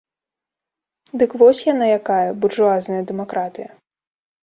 Дык вось яна якая, буржуазная дэмакратыя!